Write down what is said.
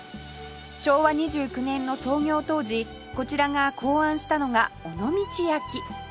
昭和２９年の創業当時こちらが考案したのが尾道焼き